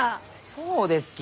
そうですき！